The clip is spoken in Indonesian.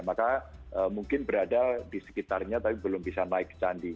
maka mungkin berada di sekitarnya tapi belum bisa naik ke candi